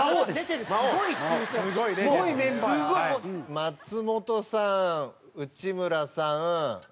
松本さん内村さん